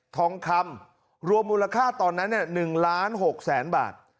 ทองคำรวมมูลค่าตอนนั้น๑ล้าน๖แสนบาท